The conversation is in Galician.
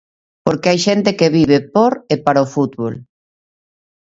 Porque hai xente que vive por e para o fútbol.